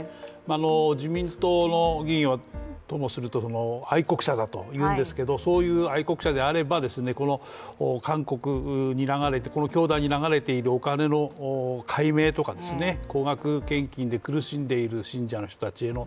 自民党の議員はともすると愛国者だと言うんですけどそういう愛国者であれば韓国に流れて、この教団に流れているお金の解明とか、高額献金で苦しんでいる信者の人たちへの